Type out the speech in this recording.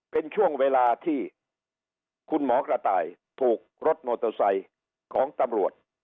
เป็นช่วงเวลาที่คุณหมอกระต่ายถูกรถมอเตอร์ไซค์ของตำรวจ